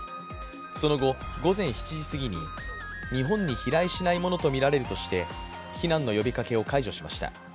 その後、午前７時すぎに日本に飛来しないものとみられるとして避難の呼びかけを解除しました。